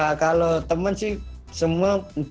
ya kalau temen sih semua